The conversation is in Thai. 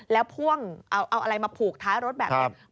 แล้วพ่วงเอาอะไรมาผูกท้ายรถแบบนี้